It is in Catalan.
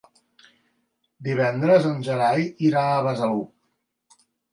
Divendres en Gerai irà a Besalú.